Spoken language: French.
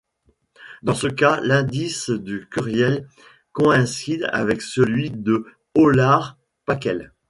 Dans ce cas l'indice de Curiel coïncide avec celui de Hollard-Packel.